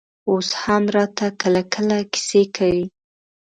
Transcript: اوس هم راته کله کله کيسې کوي.